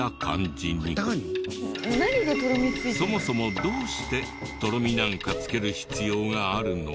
そもそもどうしてとろみなんかつける必要があるの？